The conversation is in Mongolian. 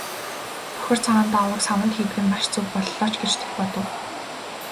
Бохир цагаан даавууг саванд хийдэг нь маш зөв боллоо ч гэж тэр бодов.